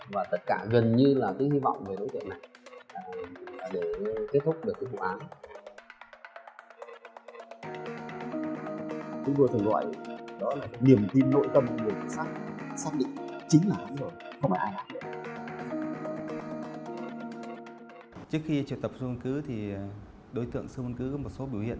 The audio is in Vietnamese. và tất cả gần như là cái hy vọng về đối tượng này để kết thúc được cái vụ án